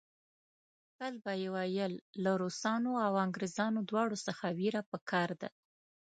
تل به یې ویل له روسانو او انګریزانو دواړو څخه وېره په کار ده.